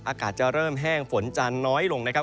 อากาศจะเริ่มแห้งฝนจะน้อยลงนะครับ